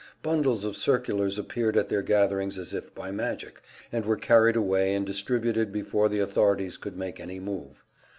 Bundles of circulars appeared at their gatherings as if by magic, and were carried away and distributed before the authorities could make any move.